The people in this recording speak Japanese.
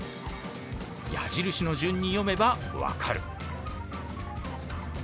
矢印の順に読めば分かる。